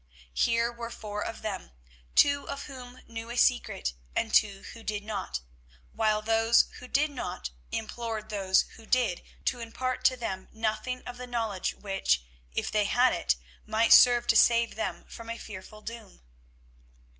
Here were four of them, two of whom knew a secret and two who did not, while those who did not implored those who did to impart to them nothing of the knowledge which, if they had it, might serve to save them from a fearful doom.